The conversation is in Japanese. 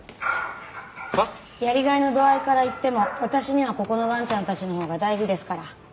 やりがいの度合いからいっても私にはここのわんちゃんたちのほうが大事ですから。